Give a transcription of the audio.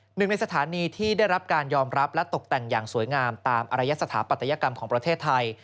หนึ่งในสถานีที่ได้รับการยอมรับและตกแต่งอย่างสวยงามตามอารยสถาปัตยกรรมของประเทศไทย